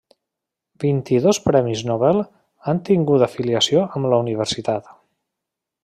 Vint-i-dos premis Nobel han tingut afiliació amb la universitat.